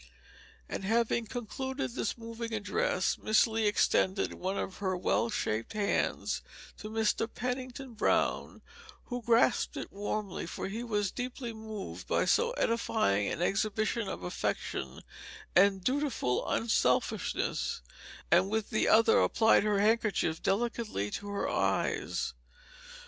And having concluded this moving address, Miss Lee extended one of her well shaped hands to Mr. Pennington Brown who grasped it warmly, for he was deeply moved by so edifying an exhibition of affectionate and dutiful unselfishness and with the other applied her handkerchief delicately to her eyes.